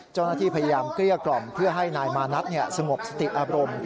เจ้าหน้าที่พยายามเกลี้ยกล่อมเพื่อให้นายมานัทสงบสติอารมณ์